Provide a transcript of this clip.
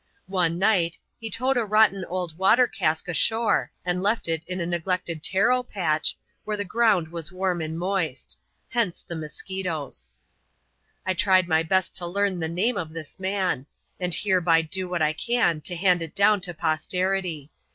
One night, he towed a rotten old water cask ashore, and left it in a neglected Taro patch, where the ground was warm and moist. Hence the musquitoes. I tried my best to learn the name of this man : and hereby do what I can to hand it down to posterity.